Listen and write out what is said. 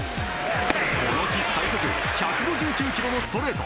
この日最速１５９キロのストレート。